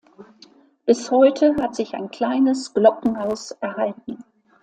Bis heute hat sich ein kleines Glockenhaus erhalten.